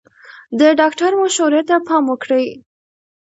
د ډاکټر مشورې ته پام وکړئ.